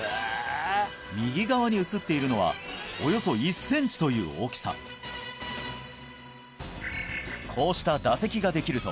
右側に写っているのはおよそ１センチという大きさこうした唾石ができると